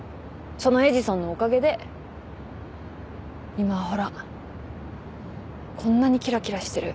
そのエジソンのおかげで今はほらこんなにキラキラしてる。